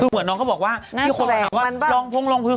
คือเหมือนน้องก็บอกว่าที่คนถามว่ารองพงรองพื้น